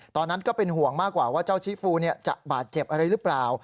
ตอนนั้นก็เป็นห่วงมากกว่าว่าเจ้าชีฟูจะบาดเจ็บอะไรหรือเปล่า